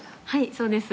そうです。